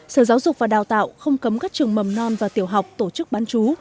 sở giáo dục và đào tạo không cấm các trường mầm non và tiểu học tổ chức bán chú